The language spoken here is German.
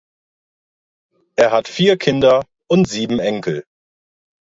Er hat vier Kinder und sieben Enkel.